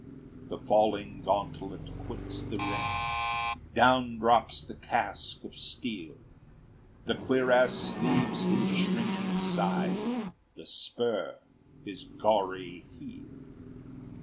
The falling gauntlet quits the rein, Down drops the casque of steel, The cuirass leaves his shrinking side, The spur his gory heel.